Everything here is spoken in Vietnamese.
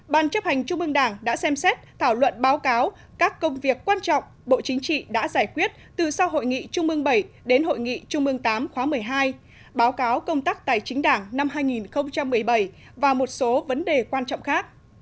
sáu ban chấp hành trung ương đảng xem xét thảo luận báo cáo các công việc quan trọng bộ chính trị đã giải quyết từ sau hội nghị trung ương vii đến hội nghị trung ương viii khóa một mươi hai